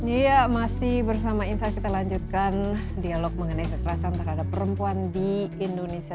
iya masih bersama insight kita lanjutkan dialog mengenai kekerasan terhadap perempuan di indonesia